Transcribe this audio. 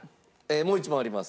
もう一問あります。